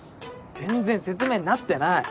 全然説明になってない。